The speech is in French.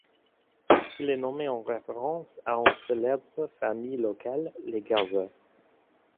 Il est nommé en référence à une célèbre famille locale, les Garza.